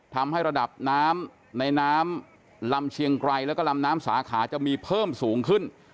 ทำให้ระดับน้ำในน้ำลำเชียงไกรแล้วก็ลำน้ำสาขาจะมีเพิ่มสูงขึ้น